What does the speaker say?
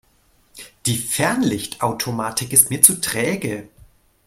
Die Fernlichtautomatik ist mir zu träge.